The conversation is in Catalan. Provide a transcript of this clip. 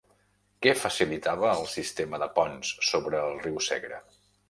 Què facilitava el sistema de ponts sobre el riu Segre?